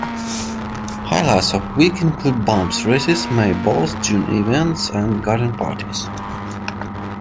Highlights of the week include Bumps races, May Balls, June Events and garden parties.